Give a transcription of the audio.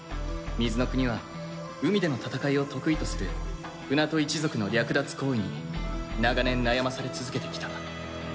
水の国は海での戦いを得意とする舟戸一族の略奪行為に長年悩まされ続けてきた。